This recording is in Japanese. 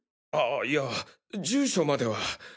あいや住所までは。